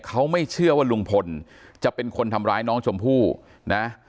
เขาไม่เชื่อว่าลุงพลจะเป็นคนทำร้ายน้องชมพู่นะ